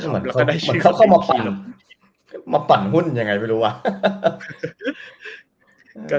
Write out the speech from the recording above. มันเข้ามาปั่นหุ้นยังไงไม่รู้วะ